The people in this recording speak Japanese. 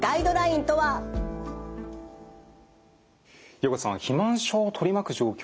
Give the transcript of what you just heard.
横手さん肥満症を取り巻く状況